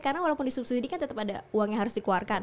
karena walaupun disubsidikan tetap ada uang yang harus dikeluarkan